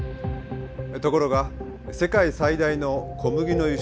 ところが世界最大の小麦の輸出国